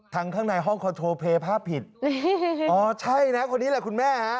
ทางข้างในห้องภาพผิดอ๋อใช่นะคนนี้แหละคุณแม่ฮะ